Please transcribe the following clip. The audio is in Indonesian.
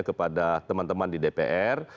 kepada teman teman di dpr